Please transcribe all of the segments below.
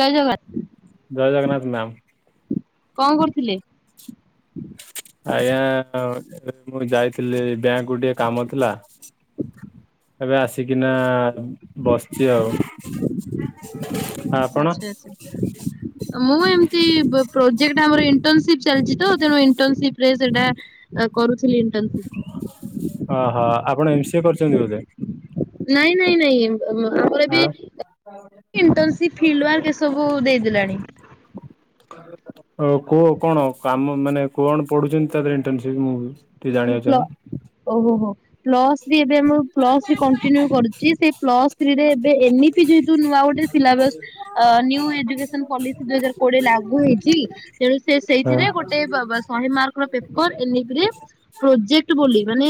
ଜୟ ଜଗନ୍ ଜୟ ଜଗନ୍ନାଥ ମ୍ୟାମ୍। କଣ କରୁଥିଲେ? ଆଜ୍ଞା ମୁଁ ଯାଇଥିଲି ବ୍ୟାଙ୍କ ଗୋଡେ କାମ ଥିଲା ଏବେ ଆସିକିନା ବସିଛି ଆଉ ଆଉ ଆପଣ? ଆଚ୍ଛା ଆଚ୍ଛା। ମୁଁ ଏମିତି ପ୍ରୋଜେକ୍ଟ ଆମର ଇଣ୍ଟସିପ୍ ଚାଲିଛି ତ ତେଣୁ ଇଣ୍ଟରସିପ୍ ରେ ସେଟା କରୁଥିଲି ଇଣ୍ଟର୍ସିପ୍। ଓହୋ ଆପଣ ଏମ ସିଏ କରିଛନ୍ତି ବୋଧେ? ନାଇଁ ନାଇଁ ନାଇଁ [unintelligible] ପୁରାବୀ ଆଉ ଇଣ୍ଟନସିପ୍ ଫିଲ ୱାର୍କ ଏ ସବୁ ଦେଇଦେଲାଣି। [unintelligible] ଓ କୁହ କଣ କାମ ମାନେ କଣ ପଢ଼ୁଛନ୍ତି ତାରେ ଇଣ୍ଟନ୍ସିପ୍ ମୁଁ ଟିକେ ମୁଁ ଜାଣିବାକୁ ପ୍ଳ ଚାହେଁ ଓହୋ ପ୍ଲସ ବି ଏବେ ଆମ ପ୍ଲସ ଥ୍ରି କଣ୍ଟିନ୍ୟୁ କରୁଛି ସେ ପ୍ଲସ ଥ୍ରି ରେ ଏବେ ଏମିତି ଯେହେତୁ ନୂଆ ଗୋଟେ ସିଲାବାସ୍ ଅ ନିଉ ଏଜୁକସନ୍ ପଲିସି ଦୁଇ ହଜାର କୋଡ଼ିଏ ଲାଗୁ ହେଇଛି ତେଣୁ ସେ ହଁ ସେଇଥିରେ ଗୋଟେ ବ ବ ଶହେ ମାର୍କ ର ପେପର୍ [unintelligible] ପ୍ରୋଜେକ୍ ବୋଲି ମାନେ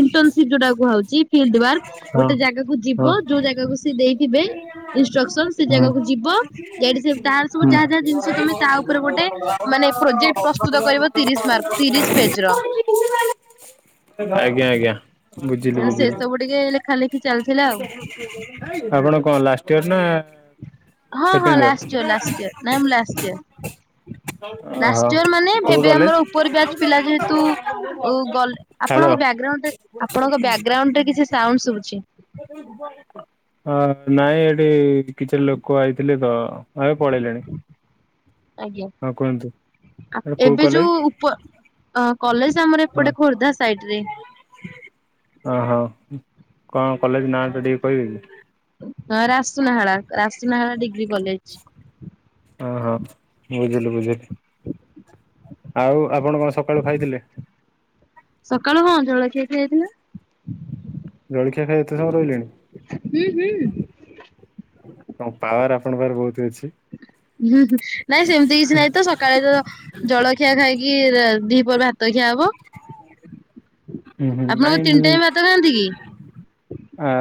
ଇଣ୍ଟନ୍ସିପ ଯୋଉଟା କୁହାଯାଉଛି ଫିଲ୍ଡ ୱାର୍କ ହଁ ଗୋଟେ ଜାଗାକୁ ହଁ। ହୁଁ। ଯିବ ଯୋଉ ଜାଗାକୁ ସିଏ ଦେଇଥିବେ ଇଣ୍ଟ୍ରକ୍ସନ ସେ ହୁଁ। ଜାଗାକୁ ଯିବ ଯଠି ତାର ସବୁ ଯାହା ଯାହା ଜିନିଷ ତମେ ତା ଉପରେ ଗୋଟେ ମାନେ ପ୍ରୋଜେକ୍ଟ ପ୍ରସ୍ତୁତ କରିବ ତିରିଶ ମାର୍କ ତିରିଶ ପଜ୍ ର। ଆଜ୍ଞା ଆଜ୍ଞା। ବୁଝିଲି ତେଣୁ ସେ ବୁଝିଲି ସବୁ ଟିକେ ଲେଖା ଲେଖି ଚାଲିଥିଲା ଆଉ। [unintelligible] ଆପଣ କଣ ଲାଷ୍ଟ ଇୟର ନା? ହଁ ହଁ second last year? Last year ନାଇଁ ମୁଁ ଲାଷ୍ଟ ଇୟର। ଲାଷ୍ଟ ଓହୋ ଇୟର ମାନେ କୋଉ ଏବେ କଲେଜ? ଆମର ଉପର ବ୍ୟାଚ୍ ପିଲା ଯେହେତୁ ଓ ଗଲେ ଆପଣଙ୍କ ହ୍ୟାଲୋ। ବ୍ୟାଗ୍ରାଉଣ୍ଡରେ ଆପଣଙ୍କ ବ୍ୟାଗ୍ରାଉଣ୍ଡରେ କିଛି ସାଉଣ୍ଡ ଶୁଭୁଛି। ହଁ ନାଇଁ ଏଠି କିଛି ଲୋକ ଆଇଥିଲେ ତ ଏବେ ପଳେଇଲେଣି। ଆଜ୍ଞା ହଁ କୁହନ୍ତୁ ଆ କୋଉ କଲେଜ? ପ ଅ କଲେଜ ଆମର ହଁ ଏପଟେ ଖୋର୍ଦ୍ଧା ସାଇଟ୍ ରେ ଅ ହଁ କଣ କଲେଜ ନାଁଟା ଟିକେ କହିବେ କି? ହଁ ରାସୁନହାଳା ରାସୁନହାଳା ଡିଗ୍ରୀ କଲେଜ୍। ଓହୋ ବୁଝିଲି ବୁଝିଲି। ଆଉ ଆପଣ କଣ ସକାଳୁ ଖାଇଥିଲେ? ସକାଳୁ କଣ ଜଳଖିଆ ଖିଆହେଇଥିଲା। ଜଳଖିଆ ଖାଇ ଏତେ ସମୟ ରହିଲେଣି? ହୁଁ ହୁଁ। କଣ ପାୱାର ଆପଣଙ୍କ ପାଖରେ ବହୁତ ଅଛି। ନାଇଁ ସେମିତି କିଛି ନାଇଁ ତ ସକାଳେ ତ ଜଳଖିଆ ଖାଇକି ଦି ପରେ ହାତ ଖିଆ ହବ। ହୁଁ ହୁଁ ଆପଣଙ୍କ ନାଇଁ ତିନି ମୁଁ ଟାଇମ ଭାତ ଖାଆନ୍ତି କି? ଆ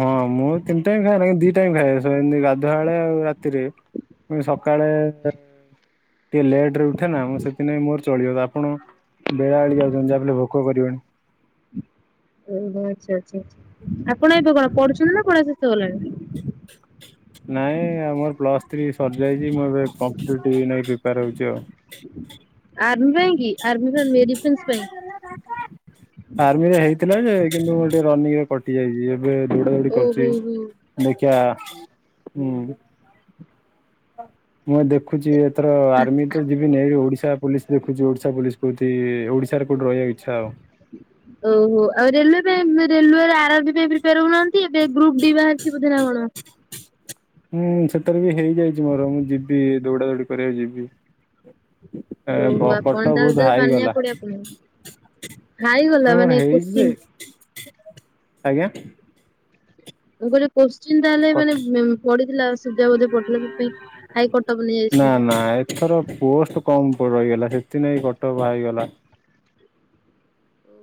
ହଁ ମୁଁ ତିନି ଟାଇମ ଖାଏନି ଦି ଟାଇମ ଖାଏ, ଏମତି ଗାଧୁଆଳେ ଆଉ ରାତିରେ। ମୁଁ ସକାଳେ ଟିକେ ଲେଟ ରେ ଉଠେ ନା ମୁଁ ସେଥିନାଇଁ ମୋର ଚଳିବ, ଆପଣ ବେଳାବେଳି ଯାଉଛନ୍ତି ଯାହାବି ହେଲେ ଭୋକ କରିବଣି। ଓହୋ ଆଚ୍ଛା ଆଚ୍ଛା ଆଛା ଆପଣ ଏବେ କଣ ପଢୁଛନ୍ତି ନା ପଢା ଶେଷ ହେଲାଣି? ନାଇଁ ଆମର ପ୍ଲସ୍ ଥ୍ରୀ ସରିଯାଇଛି ମୁଁ ଏବେ କମ୍ପିଟେଟିଭ୍ ନେଇ ପ୍ରିପେୟାର ହେଉଛି ଆଉ। ଆର୍ମି ପାଇଁକି ଆର୍ମି ଫାର୍ମୀ [inaudible] ଆର୍ମିରେ ହେଇଥିଲା ଯେ କିନ୍ତୁ ମୁ ଟିକେ ରନିଂରେ କଟି ଯାଇଛି ଏବେ ଦୌଡା ଦୌଡି ଓହୋ କରୁଛି। ହୋ। ଦେଖିଆ ହୁଁ ମୁଁ ଦେଖୁଛି ଏଥର ଆର୍ମି ତ ଯିବିନି, ଏଇ ଯୋଉ ଓଡିଶା ପୋଲିସ ଦେଖୁଛି ଓଡିଶା ପୋଲିସ କୋଉଠି ଓଡିଶାରେ କୋଉଠି ରହିବାକୁ ଇଚ୍ଛା ଆଉ। ଓହୋ ଆଉ ରେଲୱେ ପାଇଁ ରେଲୱ ର ଆର ଆର ବି ପାଇଁ ପ୍ରି ପ୍ରିପେୟାର ହେଉନାହାନ୍ତି ଏବେ ଗ୍ରୁପ ଡି ବାହାରିଛି ବୋଧେ ନା କଣ। ହୁଁ ସେଥିରେ ବି ହେଇଯାଇଛି ମୋର, ମୁଁ ଯିବି ଦୌଡା ଦୌଡି କରିବାକୁ ଯିବି। ଏ ଓହୋ ଆପଣ କଟଅଫ ତାହେଲେ ବହୁତ ତ ହାଇ ମାନିବାକୁ ଗଲା। ପଡିବ ଆପଣଙ୍କୁ। ହାଇଗଲା ମୋର ମାନେ ହେଇଛି ଯେ, କୋଶ୍ଚିନ୍। ଆଜ୍ଞା ମୁଁ କହିଲି କ୍ୱଶ୍ଚିନ୍ ତାହେଲେ ମାନେ ପଡିଥିଲା ସୂଜ୍ୟା ବୋଧେ ପଡିଥିଲା ସେଥିପାଇଁ ହାଇ କଟଅଫ୍ ନା ନେଇଯାଇଛନ୍ତି। ନା ଏଥର ପୋଷ୍ଟ କମ ରହିଗଲା ସେଥିପାଇଁ କଟଅଫ୍ ହାଇ ଗଲା।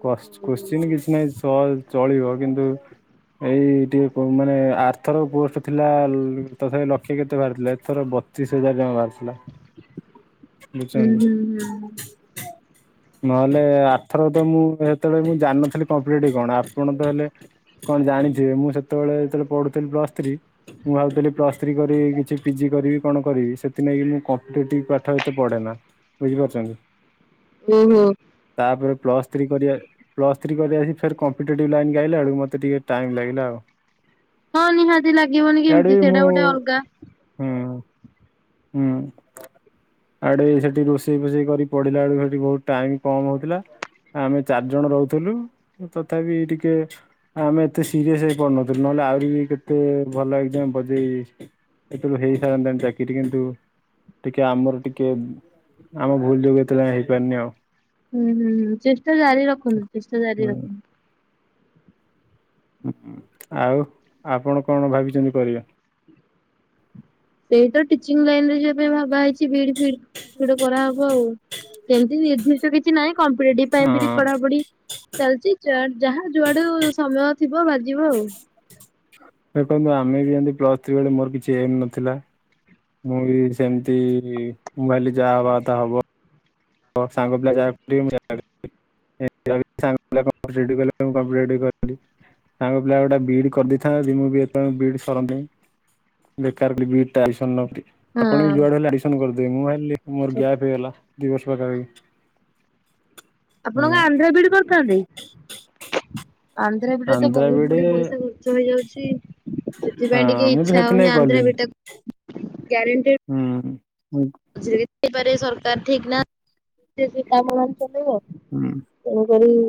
କସ୍ ହୁଁ କୋଶ୍ଚିିନ ହୁଁ କିଛି ନାହିଁ ସ୍ ଚଳିବ କିନ୍ତୁ ଏଇ ଟିକେ ମାନେ ଆରଥର ପୋଷ୍ଟ ଥିଲା ତଥାପି ଲକ୍ଷେ କେତେ ବାହାରିଥିଲା ଏଥର ବ ପଚିଶ ହଜାର ଜମା ବାହାରିଥିଲା। ହୁଁ ବୁଝୁଛନ୍ତି। ହୁଁ ହୁଁ। ନହେଲେ ଆରଥର ତ ମୁଁ ସେତେବେଳେ ମୁଁ ଜାଣିନଥିଲି କମ୍ପିଟେଟିଭ କଣ, ଆପଣ ତ ହେଲେ କଣ ଜାଣିଥିବେ ମୁଁ ସେତେବେଳେ ଯେତେବେଳେ ପଢୁଥିଲି ପ୍ଲସ ଥ୍ରୀ ମୁଁ ଭାବୁଥିଲି ପ୍ଲସ ଥ୍ରୀ କରିବି କିଛି ପି ଜି କରିବି କଣ କରିବି ସେଥିନାଗି ମୁଁ କମ୍ପିଟେଟିଭ ପାଠ ଏତେ ପଢେନା। ବୁଝିପାରୁଛନ୍ତି? ଓ ହୋ। ତାପରେ ପ୍ଲସ୍ ଥ୍ରୀ କରିବା ପ୍ଲସଥ୍ରୀ କରି ଆସି ଫେର କମ୍ପିଟେଟିଭ୍ ଲାଇନ୍ କି ଆଇଲା ବେଳକୁ ମୋତେ ଟିକେ ଟାଇମ୍ ଲାଗିଲା ଆଉ। ହଁ ନିହାତି ଲାଗିବନି ଇଆଡେ କେମିତି ବି ମୁଁ ସେଇଟା ଗୋଟେ ଅଲଗା। ହୁଁ ହୁଁ। ଆଡେ ସେଠି ରୋଷେଇ ଫୋଷେଇ କରି ପଢିଲା ବେଳକୁ ସେଠି ବହୁତ ଟାଇମ କମ ହଉଥିଲା। ଆମେ ଚାରି ଜଣ ରହୁଥିଲୁ ତଥାପି ଟିକେ ଆମେ ଏତେ ସିରିଏସ ହେଇ ପଢିନଥିଲୁ ନହେଲେ ଆହୁରି ବି କେତେ ଭଲ ଏକ୍ସାମ ବଜେଇ ଏତେବେଳକୁ ହେଇସାରନ୍ତାଣି ଚାକିରି କିନ୍ତୁ ଟିକେ ଆମର ଟିକେ ଆମ ଭୁଲ ଯୋଗୁ ଏତେ ଯାଏଁ ହେଇପାରନି ଆଉ। ହୁଁ ହୁଁ ହୁଁ ଚେଷ୍ଟା ଜାରି ରଖନ୍ତୁ, ଚେଷ୍ଟା ହୁଁ ଜାରି ରଖନ୍ତୁ। ହୁଁ ଆଉ ଆପଣ କଣ ଭାବିଛନ୍ତି କରିବେ? ସେଇତ ଟିଚିଂ ଲାଇନ ରେ ଯିବା ପାଇଁ ଭାବା ହେଇଛି ବିଡ ଫିଡ କିଛି ଗୋଟେ କରାହବ ଆଉ। ସେମତି ନିର୍ଦ୍ଦିଷ୍ଟ କିଛି ନାହିଁ କମ୍ପିଟେଟିଭ ପାଇଁ ବି ହଁ ପଢାପଢି ଚାଲିଛି। ଯା ଯାହା ଯୁଆଡୁ ସମୟ ଥିବ ବାଜିବ ଆଉ। ଦେଖନ୍ତୁ ଆମେ ବି ଏମିତି ପ୍ଲସ୍ ଥ୍ରୀ ବେଳେ ମୋର କିଛି ଏମ ନଥିଲା। ମୁଁ ବି ସେମିତି ମୁଁ ଭାବିଲି ଯାହା ହବାକଥା ହବ। ମୋ ସାଙ୍ଗପିଲା ଯାହା କରୁଥିବେ ମୁଁ ସେଇଆ କରେ [inaudible] ସାଙ୍ଗ ପିଲା ଗୋଟେ ବିଡ କରିଦେଇଥାନ୍ତା ଯଦି ମୁଁ ବି ଏତେବେଳକୁ ବିଡି ସରନ୍ତିଣି। [unintelligible] ବିଟା ଇସନ ନି [inaudible] ଆପଣବି ଯୁଆଡେ ହେଲେ ଆକ୍ସନ କରିଦେବେ ମୁଁ ଭାବିଲି ମୋର ହଁ। ଗ୍ୟାପ୍ ହେଇଗଲା ଦି ବର୍ଷ ପାଖାପାଖି। ଆପଣ ହଁ କଣ ଆନ୍ଧ୍ରା ବିଡି କରିଥାନ୍ତେ? ଆନ୍ଧ୍ରବିଡରେ ତ ଆନ୍ଧ୍ରା ବହୁତ ବିଇଡି ଗୁଡେ ପଇସା ଖର୍ଚ୍ଚ ହେଇଯାଉଛି। ହଁ ସେଥିପାଇଁ ଟିକେ ମୁଁ ତ ଇଚ୍ଛା ହଉନି ସେଥିଲାଗି କଲିନି ଆନ୍ଧ୍ରବିଡ ଟା ଗାରେଣ୍ଟି ହୁଁ ଝଇପାରିବ ସରକାର ଠିକ ନା କାମ ମାନ ଚଲେଇବ। ହୁଁ ତଣ କରିବି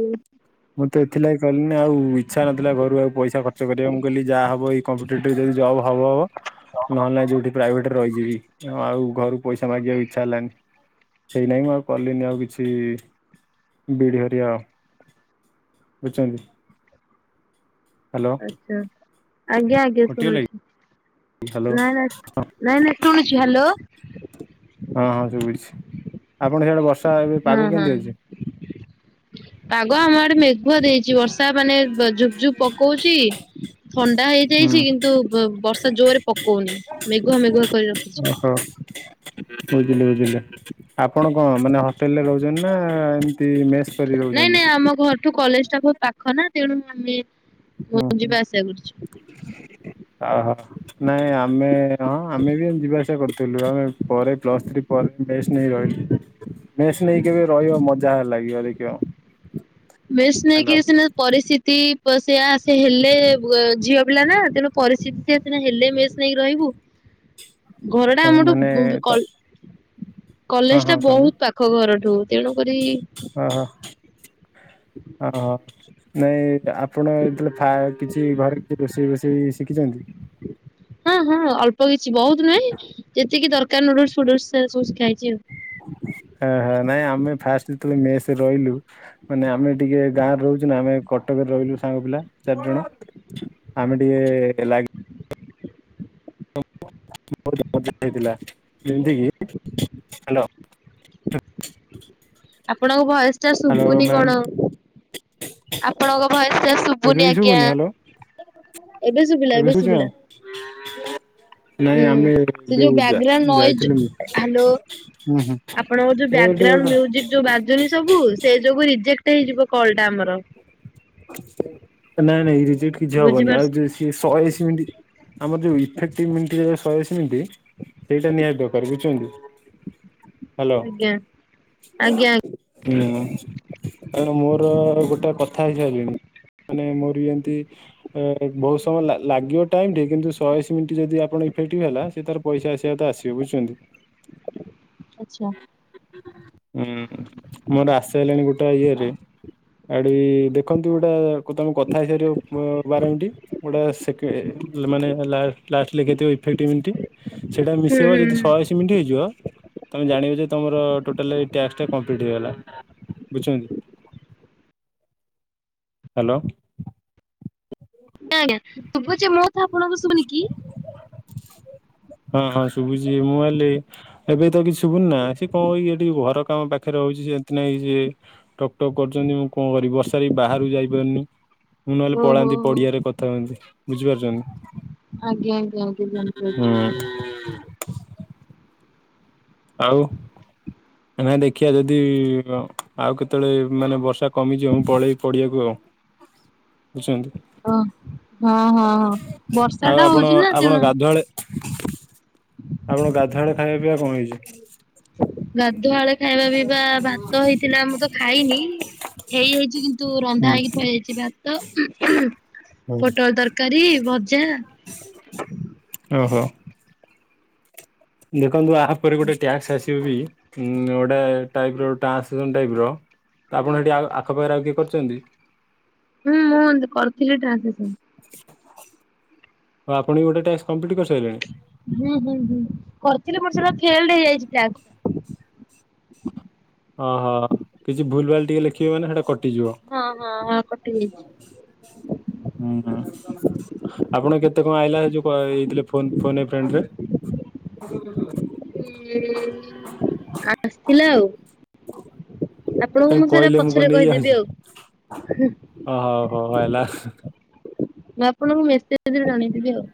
ମୁଁ ତ ଏଥିଲାଗି କହିଲିନି ଆଉ ଇଚ୍ଛା ନଥିଲା ଘରୁ ଆଉ ପଇସା ଖର୍ଚ୍ଚ କରିବାକୁ ମୁଁ କହିଲି ଯାହା ହବ ଏଇ କମ୍ପିଟେଟିଭ୍ ଯଦି ଜବ୍ ହବ ହବ ନହେଲେ ଯେଉଁଠି ପ୍ରାଇଭେଟରେ ରହିଯିବି ଆଉ ଘରକୁ ପଇସା ମାଗିବାକୁ ଇଚ୍ଛା ହେଲାନି। ସେଇ ନାହିଁ ମୁଁ ଆଉ କଲିିନି ଆଉ କିଛି ବିଡ଼ି ହରିଆ ଆଛା ଆଜ୍ଞା ଆଜ୍ଞା କଟିଗଲା ଶୁଣୁଛିୁ। କି ହ୍ୟାଲୋ ନାଇଁ ନାଇ [unintelligible] [unintelligible] ହ୍ୟାଲୋ ହଁ ହଁ ସବୁଝଛି ଆପଣ ହାଆଡେ ବର୍ଷ ହଁ ହଁ ପାଗ ଆମ ଗଟେ ମେଘୁଆ ଦେଇଛି। ବର୍ଷା ମାନେ ଝୁପ ଝୁପ ପକଉଛି ଥଣ୍ଡା ହୁଁ ହେଇଯାଇଛି କିନ୍ତୁ ବର୍ଷା ଜୋରରେ ପକଉନି ମେଘୁଆ ମେଘୁଆ କରି ରଖିଛି। ଓହୋ ବୁଝିଲି ବୁଝିଲି ଆପଣ କଣ ମାନେ ହୋଟେଲ ରେ ରହୁଛନ୍ତି ନା ମେସ୍ କରି ନାଇଁ ରହୁଛନ୍ତି? ନାଇଁ ଆମ ଘରଠୁ କଲେଜ ଟା ବହୁ ପାଖ ନା ତେଣୁ ଆମେ ହୁଁ ଯିବା ଆସିବା କରୁଛୁ। ହୁଁ ହ ହୋ। ନାଇଁ ଆମେ ହଁ ଆମେ ବି ଯିବା ଆସିବା କରୁଥିଲୁ ଆମେ ପରେ ପ୍ଲସ ଥ୍ରୀ ୁ ମେ ନେଇ ରଛି ମେସ୍ ନେଇ କେବେ ରହିବ। ମଜା ହେ ଲାଗିବ ଦେଖିବ। ବେସ୍ ନକ ହ୍ୟାଲୋ ସନା ପରିସ୍ଥିତି ସେଆ ସେ ହେଲେ ଝିଅ ପିଲା ନା ତେଣୁ ପରିସ୍ଥିତି ହେଲେ ମେସ୍ ନେଇକି ରହିବୁ। ଘରଟା କଣ ଆମଠୁ ମାନେ [unintelligible] ତ ହଁ କଲେଜ ହଁ ଟା କୁହନ୍ତୁ ବହୁତ ପାଖ ଘରଠୁ ତେଣୁକରି ଓ ହୋ ଅ ହୋ ନାଇଁ ଆପଣ ଯେତେବେଳେ କିଛି ଘରେ କିଛି ରୋଷେଇ ବଷେଇ ଶିଖିଛନ୍ତି? ହଁ ହଁ ଅଳ୍ପ କିଛି ବହୁତ ନୁହେଁ ଯେତିକି ଦରକାର ନୁଡୁସ ଫୁଡୁଲସ ସବୁ ଶିକାଇଛି ଆଉ। ହ ହ ନାଇଁ ଆମେ ଫାଷ୍ଟ ଯେତେବେଳେ ମେସ ରହିଲୁ ମାନେ ଆମେ ଟିକେ ଗାଁରେ ରହୁଛୁ ନା ଆମେ କଟକରେ ରହିଲୁ ସାଙ୍ଗ ପିଲା ଚାରି ଜଣ। ଆମେ ଟିକେ ଲାଗି [unintelligible] ଯେମିତି କିି ହ୍ୟାଲୋ ଆପଣଙ୍କ ଭଏସ ଟା ହ୍ୟାଲୋ ଶୁଭୁନି ମ୍ୟାମ୍ କଣ ଆପଣଙ୍କ ଭଏସ ଟା ଏବେ ଶୁଭୁନି ବି ଆଜ୍ଞା। ହ୍ୟାଲୋ ଏବେ ଶୁଭିଲା ଏବେ ଶୁଭିଲା ହୁଁ ନାଇଁ ହୁଁ ଆମେ ସେ ଯୋଉ ବ୍ୟାକଗ୍ରାଉଣ୍ଡ ନଏଜ ଯାଇଥିଲୁ ହ୍ୟାଲୋ ହୁଁ ହୁଁ। ଆପଣଙ୍କ ଯୋଉ ଏଇଠି ବ୍ୟାଗ୍ରାଉଣ୍ଡ ଗୋଟେ ମ୍ୟୁଜିକ୍ ଯୋଉ ବାଜୁନି ସବୁ ସେ ଯୋଗୁ ରିଜେକ୍ଟ ହେଇଯିବ କଲ୍ଟା ଆମର। ନାଇଁ ନାଇଁ ରିଜେକ୍ଟ କିଛି ହବନି ବୁଝିପାରୁଛ ଆଉ ଯଉ ଶହେ ଅଶୀ ମିନିଟ ଆମର ଯୋଉ ଇଫେକ୍ଟିଭ ମିନିଟ ଶହେ ଅଶୀ ମିନିଟ୍। ସେଇଟା ନିହାତି ଦରକାର ବୁଝୁଛନ୍ତି? [inaudible] ହ୍ୟାଲୋ। ଆଜ୍ଞା ଆଜ୍ଞା ହୁଁ କ ମୋର ଗୋଟେ କଥା ହେଇ ସାରିଲିଣି। ମାନେ ମୋରବି ଏନ୍ତି ବହୁତ ସମୟ ଲାଗିବ ଟାଇମ ଟିକେ କିନ୍ତୁ ଶହେଶ ମିନିଟ ଯଦି ଆପଣ ଇଫେକ୍ଟିଭ ହେଲା। ସେ ତାର ପଇସା ଆସିବା ତ ଆସିବ ବୁଝୁଛନ୍ତି? ଆଛା। ହୁଁ ମୋର ଆସ ହେଲାଣି ଗୋଟେ ଇଏରେ ଆଡୁ ବି। ଦେଖନ୍ତୁ ଗୋଟେ ତମେ କଥା ହେଇସାରିବ ବାର ମିନିଟି ଗୋଟେ ସେକେ ମାନେ ହେଲା। ଲାଷ୍ଟ ଲେ ଇଫେକ୍ଟ ମିନିଟ ସେଇଟା ହୁଁ ମିଶେଇବ ହୁଁ ଯଦି ହୁଁ। ଶହେଅଶୀ ମିନିଟ ହେଇଯିବ। ତମେ ଜାଣିବ ଯେ ତମର ଟୋଟାଲ ଏଇ ଟାସ୍କଟା କମ୍ପ୍ଲିଟ୍ ହେଇଗଲା ବୁଝୁଛନ୍ତି? ହାଲୋ। ଆ ଆଜ୍ଞା ଶୁଛୁଚୀ ମୋ କଥା ଆପଣଙ୍କୁ ଶୁଭୁନି କି? ହଁ ହଁ ଶୁଭୁଛି ମୁଁ କହିଲି। ଏବେ ତ କିଛି ଶୁଭୁନି ନା ସେ କଣ ଏଇ ଟିକି ଘର କାମ ବା ପାଖରେ ରହୁଛି ସେମିତି ନାଇଁ ସିଏ ଟକ୍ ଟକ୍ କରୁଛନ୍ତି ମୁଁ କଣ କରିବି ବର୍ଷାରେ ବାହାରକୁ ଯାଇପାରୁନି। ମୁଁ ନହେଲେ ଓହୋ ହୋ ପଳାନ୍ତି ପଡିଆରେ କଥା ହୁଅନ୍ତି ବୁଝିପାରୁଛନ୍ତି। ଆଜ୍ଞା ଆଜ୍ଞା ଆ ହୁଁ। ଆଉ। ନାଇଁ ଦେଖିବା ଯଦି ଆଉ କେତେବେଳେ ମାନେ ବର୍ଷା କମିଯିବ ମୁଁ ପଳେଇବି ପଡିିବାକୁ ଆଉ- ବୁଝଛନ୍ତି ଓ ହଁ ହଁ ହଁ ଆଉ ବର୍ଷାଟା ଆପଣ ହଉଛି ନା ଆପଣ ତେଣୁ। ଗାଧୁଆଳେ ଆପଣ ଗାଧୁଆ ବେଳେ ଖାଇବା ପିଇବା କଣ ହେଇଛି? ଗାଧୁଆ ବେଳେ ଖାଇବା ପିଇବା ଭାତ ହେଇଥିଲା ମୁଁ ତ ଖାଇନି। ହେଇଯାଇଛି କିନ୍ତୁ ହୁଁ ରନ୍ଧା ହେଇକି ଥୁଆଯାଇଛି ଭାତ। ହୁଁ। ପୋଟଳ ତରକାରୀ, ଭଜା। ଓହୋ। ଦେଖନ୍ତୁ ଆ ଆହାପରେ ଗୋଟେ ଟ୍ୟାକ୍ସ ଆସିବ ବି ଉଁ ଗୋଟେ ଟାଇପର ଟ୍ରାନ୍ସକ୍ରିପସନ ଟାଇପ ର। ତ ଆପଣ ଏଇଠି ଆଖପାଖରେ ଆଉ କିଏ କରିଛନ୍ତି? ହୁଁ ମୁଁ କରୁଥିଲି ଟ୍ରାନ୍ସଲେଶନ। ଓ ଆପଣ ବି ଗୋଟେ ଟ୍ୟାକ୍ସ କମ୍ପ୍ଲିଟ କରିସାରିଲେଣି? ହୁଁ ହୁଁ ହୁଁ କରିଥିଲି ମୋର ସେଟା ଫେଲେଡ ହେଇଯାଇଛି ଟ୍ୟାକ୍ସ। ଓହୋ କିଛି ଭୁଲ ଭାଲ ଟିକେ ଲେଖିବେ ମାନେ ସେଟା କଟିଯିବ। ହଁ ହଁ ହଁ କଟି ଯାଇଛି ଅହ। ଆପଣ କେତେ କଣ ଆଇଲା ଏଇ ଯୋଉ କ ଏଇଥିଲେ ଫୋନ ଫୋନ ଏ ଫ୍ରେଣ୍ଡରେ? ହୁଁ ଆସିଥିଲା ଆଉ। ଆପଣଙ୍କୁ କାଇଁ ମୁଁ ସେଇଟା କହିଲେ କଣ ପଛରେ କହିଦେବି ଆଉ ହୁଁ। ଓ ହଉ ହଉ ହେଲା। ମୁଁ ଆପଣଙ୍କୁ ମେସେଜରେ ଜଣେଇ ଦେବି ଆଉ।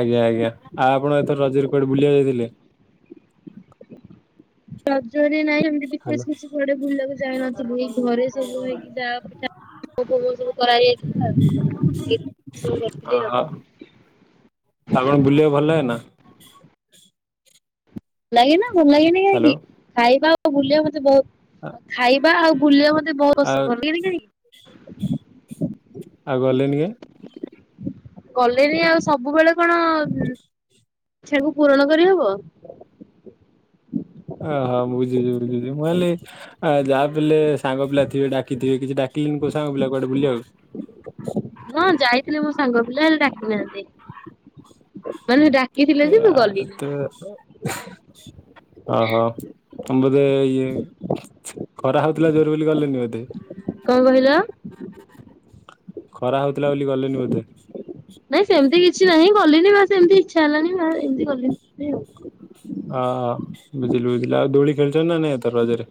ଆଜ୍ଞା ଆଜ୍ଞା ଆଉ ଆପଣ ଏଥର ରଜରେ କୁଆଡେ ବୁଲିବାକୁ ଯାଇଥିଲେ? ରଜରେ ନାହି। ହାଲୋ ବିଶେଷ କିଛି କୁଆଡେ ବୁଲିବାକୁ ଯାଇନଥିଲି ଏଇ ଘରେ ସବୁ ହେଇକି ଯାହା ପିଠା। ମୋ ପୁଅ ସବୁ କରାଇଯାଇଥିଲା ଆଉ ସବୁ କରିଥିଲି ଆଉ। ଆଉ କଣ ବୁଲିବାକୁ ଭଲ ଲାଗେ ନା? ଭଲ ଲାଗେ ନା ଭଲ ଲାଗେନି ହାଲୋ କାହିଁକି ଖାଇବା ଆଉ ବୁଲିବା ମତେ ବହୁ ଖାଇବା ଆଉ ବୁଲିବା ମତେ ବହୁତ ଆଉ ପସନ୍ଦ ଭଲ ଲାଗେନି କାହିଁକି। ଆଉ ଗଲେନି କାହିଁ ଗଲେନି ଆଉ ସବୁବେଳେ କଣ ଉଁ ଇଚ୍ଛାକୁ ପୂରଣ କରିହବ? ଅ ହଉ ବୁଝୁଛିୁ ବୁଝୁଛି ମୁଁ କହିଲି। ଆ ଯାହା ବି ହେଲେ ସାଙ୍ଗ ପିଲ ଥିବେ ଡାକିଥିବେ କିଛି ଡାକିଲେନି କଉ ସାଙ୍ଗ ପିଲା କୁଆଡେ ବୁଲିବାକୁ? ହଁ ଯାଇଥିଲେ ମୋ ସାଙ୍ଗ ପିଲା ହେଲେ ଡାକି ନାହାଁନ୍ତି ମାନେ ଡ଼ା ଏୟା ତ। ଅହୋ ତମେ ବଧେ ଇଏ। ଖରା ହଉଥିଲା ଜୋର ବୋଲି ଗଲେନି ବୋଧେ? କଣ କହିଲ? ଖରା ହଉଥିଲା ବୋଲି ଗଲେନି ବୋଧେ? ନାଇଁ ସେମିତି କିଛି ନାହିଁ ଗଲିନି ବାସ ଏମିତି ଇଚ୍ଛା ହେଲାନି ନା ଏମିତି ଗଲିନି ଆଉ। ହଁ ବୁଝିଲି ବୁଝିଲି ଆଉ ଦୋଳି ଖେଳିଚ ନା ନାଇଁ ଏଥର ରଜରେ?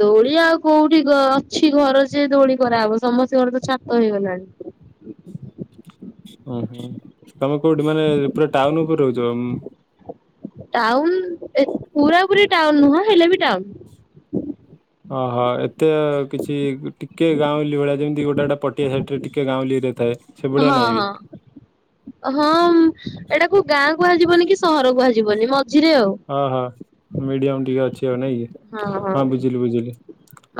ଦୋଳି ଆଉ କୋଉଠି ଗ ଅଛି ଘର ଯେ ଦୋଳି କରାହବ ସମସ୍ତିଙ୍କର ତ ଛାତ ହେଇଗଲାଣି। ଉଁ ହୁଁ ତମେ କୋଉଠି ମାନେ ପୁରା ଟାଉନ ଉପରେ ରହୁଛ ଉଁ? ଟାଉନ ଏ ପୁରାପୁରି ଟାଉନ ନୁହଁ ହେଲେ ବି ଟାଉନ। ଓହୋ ଏତେ କିଛି ଟିକେ ଗାଉଁଲି ଭଳିଆ ଯେମିତି ଗୋଟେ ଗଟେ ପଟିଆ ସାଇଡ ରେ ଟିକେ ଗାଉଁଲି ରେ ଥାଏ। ସେଭଳିଆ ହଁ ନାହିଁ ବି ହଁ। ହଁ ଏଟାକୁ ଗାଁ କୁହାଯିବନି କି ସହର କୁହାଯିବନି ମଝିରେ ଆଉ। ଓହୋ ମିଡିୟମ ଟିକେ ଅଛି। ଆଉ ନାଇଁ କି ହଁ ହଁ ବୁଝିଲି ବୁଝିଲି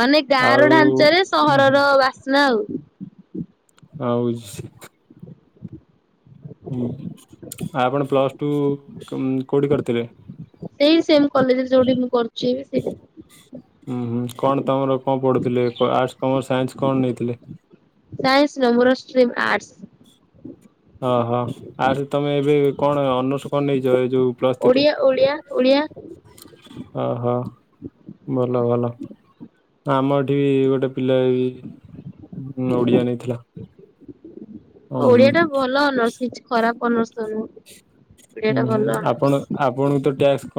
ମାନେ ଗାଁ ଆଉ ର ଢାଞ୍ଚାରେ ହୁଁ ହୁଁ ସହରର ବାସ୍ନା ଆଉ। ହଉଛି ହୁଁ ଆପଣ ପ୍ଲସ୍ଟୁ ଉମ୍ କୋଉଠି କରିଥିଲେ? ଏଇ ସେମ୍ କଲେଜରେ ଯୋଉଠି ମୁଁ କରୁଛି ଏବେ ସେଇଠି। ହୁଁ ହୁଁ କଣ ତମର କଣ ପଢ଼ୁଥିଲେ ଆର୍ଟସ୍ କମର୍ସ ସାଇନ୍ସ କଣ ନେଇଥିଲେ? ସାଇନ୍ସ ନୁହଁ ମୋର ଷ୍ଟ୍ରିମ୍ ଆର୍ଟସ। ଅ ହ ଆଠୁ ତମେ ଏବେ କଣ ଅନର୍ଶ କଣ ନେଇଛ ଏ ଯୋଉ ଓଡ଼ିଆ ଓଡ଼ିଆ ଓଡ଼ିଆ। ଅ ହ ଭଲ ଭଲ। ଆମ ଏଠି ବି ଗୋଟେ ପିଲା ବି ଓଡିଆ ନେଇଥିଲା। ହୁଁ ହୁଁ। ଓଡିଆ ଟା ଭଲ ଅନର୍ସ କିଛି ଖରାପ ଅନର୍ସ ତ ନୁହଁ। ଓଡିଆ ହୁଁ ଟା ହୁଁ ଭଲ ଅନର୍ସ। ଆପଣ ଆପଣଙ୍କୁ ତ ଟ୍ୟାସ୍କ